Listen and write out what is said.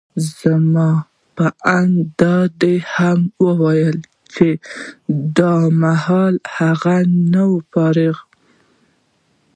زما په اند، ده دا هم وویل چي دا مهال هغه، نه وي فارغه.